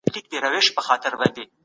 مجاهد د حق دپاره په مېړانه جنګېدی.